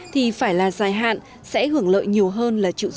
thì phải là dài hạn sẽ hưởng lợi nhiều hơn là chịu rủi ro